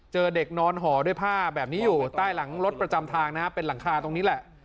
เจอเด็กนอนห่อด้วยผ้าแบบนี้อยู่ใต้หลังรถประจำทางนะครับเป็นหลังคาตรงนี้แหละ